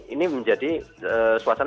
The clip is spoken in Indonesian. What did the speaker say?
ini menjadi suasana